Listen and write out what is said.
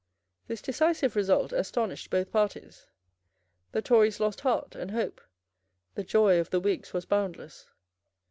This decisive result astonished both parties. The Tories lost heart and hope. The joy of the Whigs was boundless.